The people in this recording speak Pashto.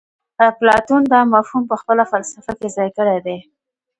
اپلاتون دا مفهوم په خپله فلسفه کې ځای کړی دی